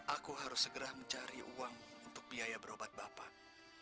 aku harus segera mencari uang untuk biaya berobat bapak